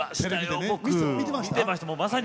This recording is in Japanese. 見ていましたか？